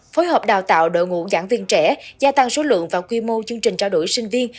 phối hợp đào tạo đội ngũ giảng viên trẻ gia tăng số lượng và quy mô chương trình trao đổi sinh viên